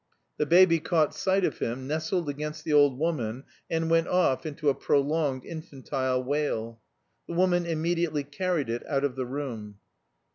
The baby caught sight of him, nestled against the old woman, and went off into a prolonged infantile wail. The woman immediately carried it out of the room.